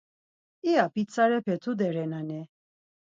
İya pitsarepe tude renani?